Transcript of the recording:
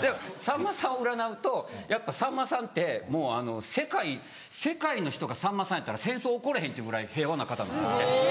でもさんまさんを占うとやっぱさんまさんって世界の人がさんまさんやったら戦争起これへんっていうぐらい平和な方なんですって。